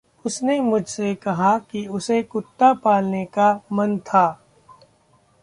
उसने मुझसे कहा कि उसे कुत्ता पालने का मन था।